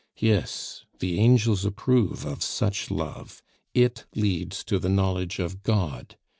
Yes, the angels approve of such love; it leads to the knowledge of God.